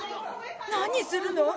何するの！